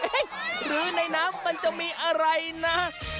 หรือในน้ำมันจะมีอะไรนะ